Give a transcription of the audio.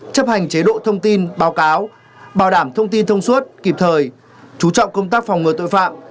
chấp hành chế độ thông tin báo cáo bảo đảm thông tin thông suốt kịp thời chú trọng công tác phòng ngừa tội phạm